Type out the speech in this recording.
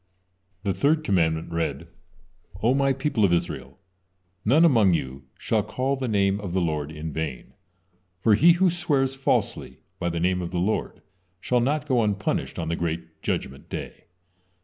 The third commandment read: "O My people of Israel, none among you shall call the name of the Lord in vain, for he who swears falsely by the name of the Lord shall not go unpunished on the great Judgement Day."